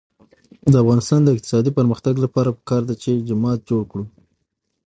د افغانستان د اقتصادي پرمختګ لپاره پکار ده چې جومات جوړ کړو.